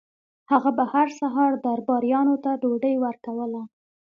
هغه به هر سهار درباریانو ته ډوډۍ ورکوله.